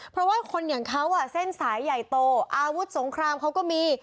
เพราะว่าคนอย่างเขาเส้นสายใหญ่โตอาวุธสงครามเขาก็มี